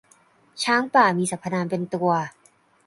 ช้างป่า มีสรรพนามเป็นตัว